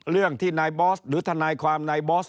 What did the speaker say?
เรื่องที่นายบอสหรือทนายความนายบอส